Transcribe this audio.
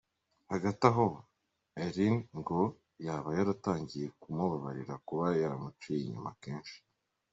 Hagati aho Elin ngo yaba yaratangiye kumubabarira kuba yaramuciye inyuma kenshi.